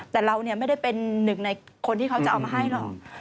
แต่เราไม่ได้เป็นหนึ่งในคนที่เขาจะเอามาให้หรอก